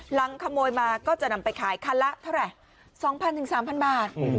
หลังขโมยมาก็จะนำไปขายคันละเท่าไหร่สองพันถึงสามพันบาท